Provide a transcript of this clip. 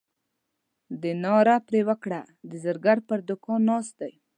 دې ناره پر وکړه د زرګر پر دوکان ناست دی.